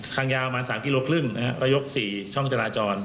ถั่งยาวประมาณ๓๕กิโลล่ะนะครับเตือนยกสี่ช่องจราจร